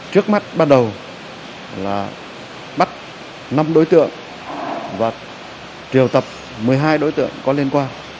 trước mắt ban đầu là bắt năm đối tượng và triều tập một mươi hai đối tượng có liên quan